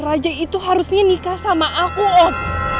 raja itu harusnya nikah sama aku om